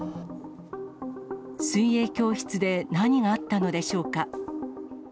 水泳教室で何があったのでしょうか。